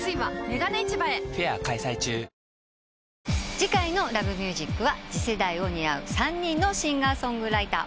次回の『Ｌｏｖｅｍｕｓｉｃ』は次世代を担う３人のシンガー・ソングライター。